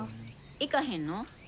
行かへんの？